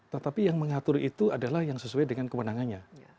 tetapi yang mengatur itu adalah yang sesuai dengan kewenangannya